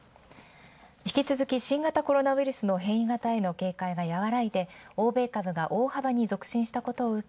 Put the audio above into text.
引き続き、新型コロナウイルスへの変異株の警戒が和らいで、欧米株が大幅に続伸したことを受け